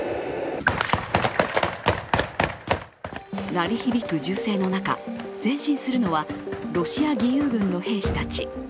鳴り響く銃声の中、前進するのはロシア義勇軍の兵士たち。